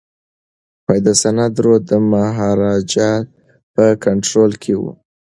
د سند رود د مهاراجا په کنټرول کي و.